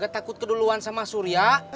takut keduluan sama surya